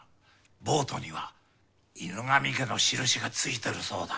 ボートには犬神家の印がついてるそうだ。